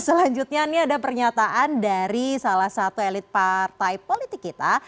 selanjutnya ini ada pernyataan dari salah satu elit partai politik kita